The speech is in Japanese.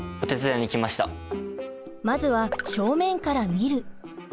まずは正面から見る。